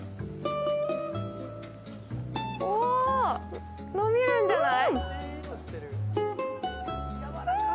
お、伸びるんじゃない？